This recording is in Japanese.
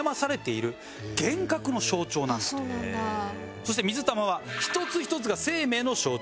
そして水玉は１つ１つが生命の象徴。